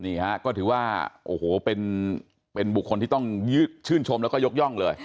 นี่ฮะก็ถือว่าโอ้โหเป็นบุคคลที่ต้องชื่นชมแล้วก็ยกย่องเลย